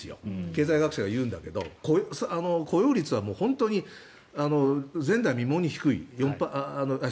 経済学者が言うんだけど失業率は本当に前代未聞に低い。